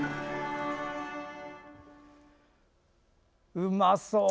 うまそう！